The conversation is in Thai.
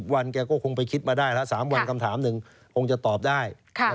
วันแกก็คงไปคิดมาได้แล้ว๓วันคำถามหนึ่งคงจะตอบได้